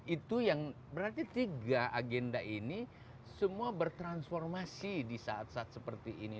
itu yang berarti tiga agenda ini semua bertransformasi di saat saat seperti ini